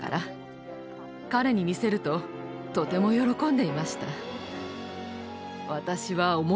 彼に見せるととても喜んでいました。